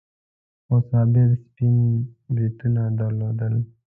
خو صابر سپين بریتونه درلودل.